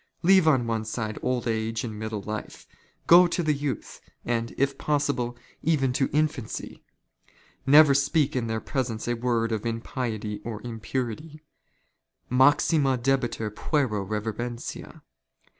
Leave on one side old age and middle life, go to the youth, and, if possible, even to infancy. ' Never speak in their presence a word of impiety or impurity. Maxima dehetur jpuero reverentia.